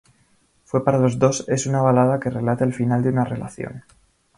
Fue para los dos es una balada que relata el final de una relación.